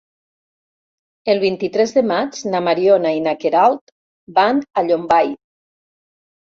El vint-i-tres de maig na Mariona i na Queralt van a Llombai.